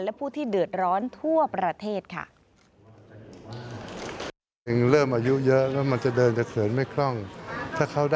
และผู้ที่เดือดร้อนทั่วประเทศค่ะ